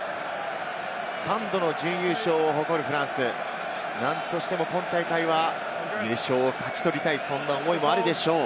３度の準優勝を誇るフランス、なんとしても今大会は優勝を勝ち取りたい、そんな思いもあるでしょう。